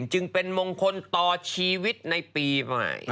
จึงเป็นมงคลต่อชีวิตในปีใหม่